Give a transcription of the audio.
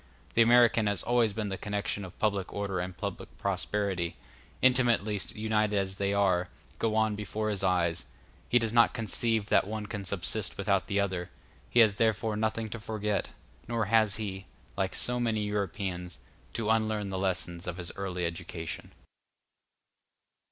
The American has always seen the connection of public order and public prosperity, intimately united as they are, go on before his eyes; he does not conceive that one can subsist without the other; he has therefore nothing to forget; nor has he, like so many Europeans, to unlearn the lessons of his early education.